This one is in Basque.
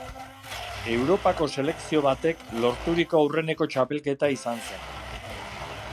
Europako selekzio batek lorturiko aurreneko txapelketa izan zen.